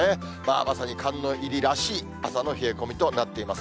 まさに寒の入りらしい朝の冷え込みとなっています。